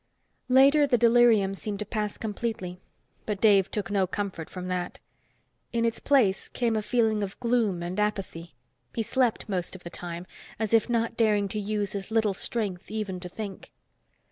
Later, the delirium seemed to pass completely, but Dave took no comfort from that. In its place came a feeling of gloom and apathy. He slept most of the time, as if not daring to use his little strength even to think.